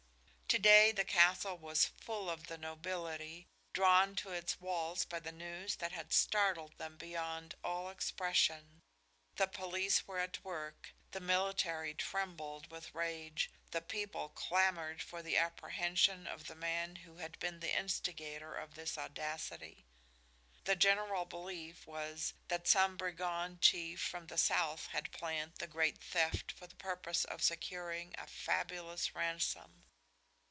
To day the castle was full of the nobility, drawn to its walls by the news that had startled them beyond all expression. The police were at work, the military trembled with rage, the people clamored for the apprehension of the man who had been the instigator of this audacity. The general belief was that some brigand chief from the south had planned the great theft for the purpose of securing a fabulous ransom.